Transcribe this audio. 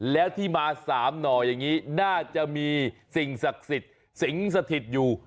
แล้วที่มาสามหน่อยอย่างนี้น่าจะมีสิ่งศักดิ์สิทธิ์อยู่